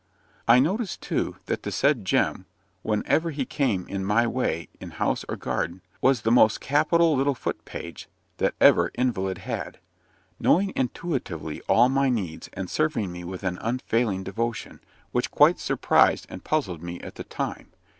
I noticed, too, that the said Jem, whenever he came in my way, in house or garden, was the most capital "little foot page" that ever invalid had; knowing intuitively all my needs, and serving me with an unfailing devotion, which quite surprised and puzzled me at the time.